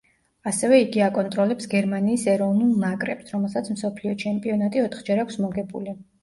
ასევე იგი აკონტროლებს გერმანიის ეროვნულ ნაკრებს, რომელსაც მსოფლიო ჩემპიონატი ოთხჯერ აქვს მოგებული.